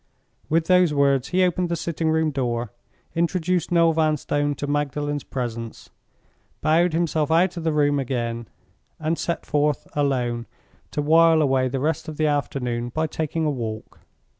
With those words, he opened the sitting room door, introduced Noel Vanstone to Magdalen's presence, bowed himself out of the room again, and set forth alone to while away the rest of the afternoon by taking a walk.